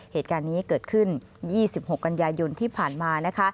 เหตุการณ์นี้เกิดขึ้น๒๖กันยายนที่ผ่านมานะคะ